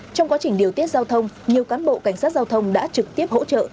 trong quá trình điều tiết giao thông nhiều cán bộ cảnh sát giao thông đã trực tiếp hỗ trợ